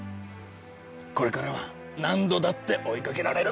これからは何度だって追い掛けられる。